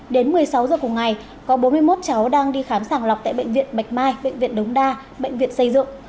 đến một mươi sáu giờ cùng ngày có bốn mươi một cháu đang đi khám sàng lọc tại bệnh viện bạch mai bệnh viện đống đa bệnh viện xây dựng